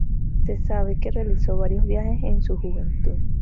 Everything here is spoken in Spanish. Se sabe que realizó varios viajes en su juventud.